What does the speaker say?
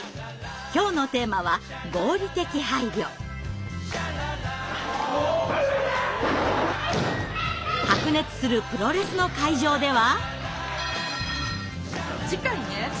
今日のテーマは白熱するプロレスの会場では。